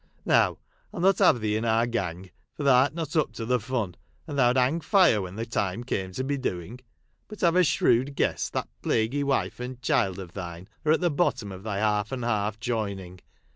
Now, 1 11 not have thee in our gang, for thou art not up to the fun, and thou 'd hang lire when the time came to be doing. But I 've a shrewd guess that plaguy wife and child of thine are at the bottom of thy half and half joining.